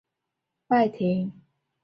重檐歇山顶的拜亭。